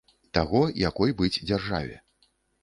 Таго, якой быць дзяржаве.